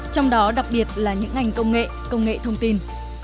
trong đó đặc biệt là những ngành công nghệ công nghệ thông tin